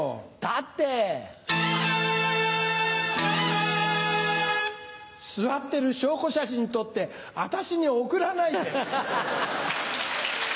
だって。座ってる証拠写真撮って私に送らないで。